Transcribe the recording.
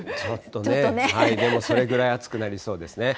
ちょっとね、でもそれぐらい暑くなりそうですね。